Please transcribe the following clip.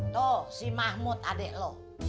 tuh si mahmud adek lo